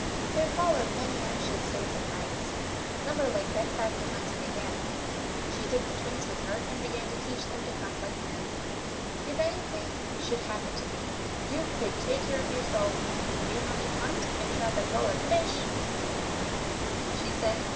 There followed many anxious days and nights. Limberleg went back to hunting again. She took the Twins with her, and began to teach them to hunt like men. "If anything should happen to me, you could take care of yourselves if you knew how to hunt and trap as well as fish," she said.